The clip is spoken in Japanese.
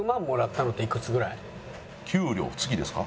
給料月ですか？